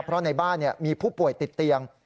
เพราะในบ้านมีผู้ป่วยติดเตียง